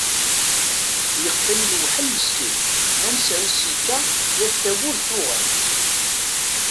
Yeqqim yewḥel meskin, ansa i s-yekka yaf tawwurt tuɣal.